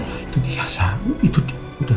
nah itu dia saham itu dia udah